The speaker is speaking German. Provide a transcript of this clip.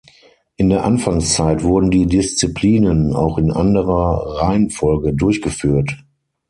In der Anfangszeit wurden die Disziplinen auch in anderer Reihenfolge durchgeführt.